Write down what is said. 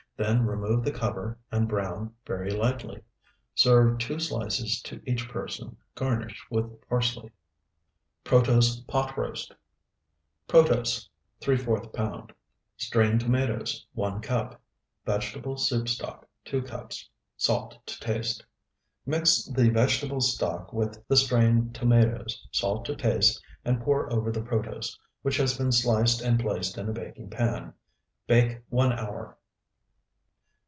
Then remove the cover and brown very lightly. Serve two slices to each person, garnished with parsley. PROTOSE POT ROAST Protose, ¾ pound. Strained tomatoes, 1 cup. Vegetable soup stock, 2 cups. Salt to taste. Mix the vegetable stock with the strained tomatoes, salt to taste, and pour over the protose, which has been sliced and placed in a baking pan. Bake one hour.